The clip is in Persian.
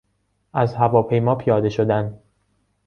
از هواپیما پیاده شدن